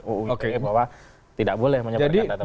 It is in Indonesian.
uu ite bahwa tidak boleh menyeberkan data pribadi